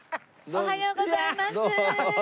おはようございます。